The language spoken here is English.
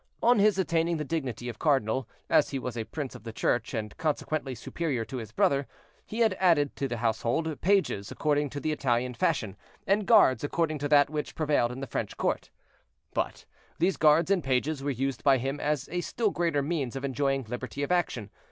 On his attaining the dignity of cardinal, as he was a prince of the church, and consequently superior to his brother, he had added to his household pages according to the Italian fashion, and guards according to that which prevailed at the French court. But these guards and pages were used by him as a still greater means of enjoying liberty of action.